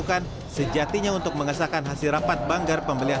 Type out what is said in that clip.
maka kami menyatakan keluar dari sidang pemerintah